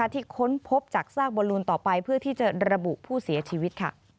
ค้นพบจากซากบอลลูนต่อไปเพื่อที่จะระบุผู้เสียชีวิต